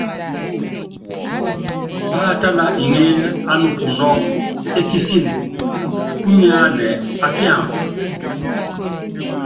Páatála iŋíud á nupunɔ́ ékísin kúnyɛ́ anɛ á kians.